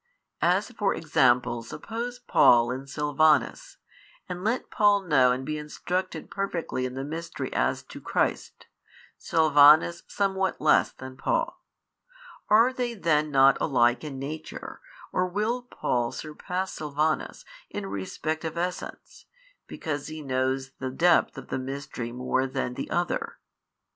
As for example suppose Paul and Silvanus; and let Paul know and be instructed perfectly in the mystery as to Christ, Silvanus somewhat less than Paul. Are they then not alike in nature or will Paul surpass Silvanus in respect of essence, because he knows the depth of the mystery more than the other?